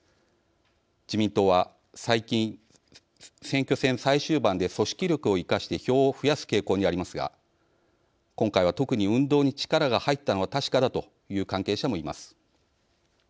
自民党は最近選挙戦最終盤で組織力を生かして票を増やす傾向にありますが今回は特に運動に力が入ったのは確かだという関係者もいます。